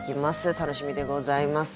楽しみでございます。